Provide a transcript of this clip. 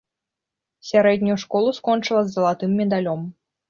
Сярэднюю школу скончыла з залатым медалём.